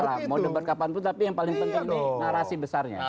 nah mau debat kapanpun tapi yang paling penting nih narasi besarnya